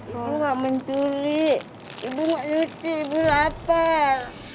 bu gak mencuri ibu gak nyuri ibu lapar